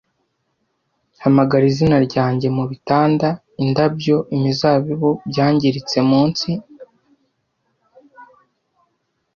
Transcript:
Hamagara izina ryanjye mubitanda-indabyo, imizabibu, byangiritse munsi,